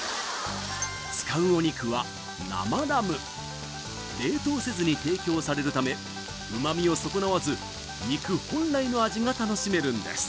使うお肉は冷凍せずに提供されるためうまみを損なわず肉本来の味が楽しめるんです